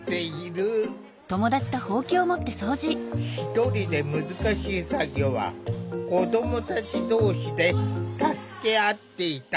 一人で難しい作業は子どもたち同士で助け合っていた。